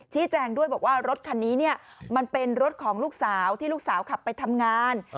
แจ้งด้วยบอกว่ารถคันนี้เนี่ยมันเป็นรถของลูกสาวที่ลูกสาวขับไปทำงาน